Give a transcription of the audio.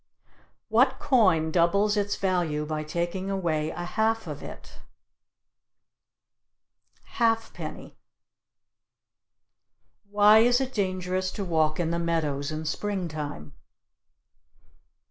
What coin doubles its value by taking away a half of it? Halfpenny. Why is it dangerous to walk in the meadows in springtime?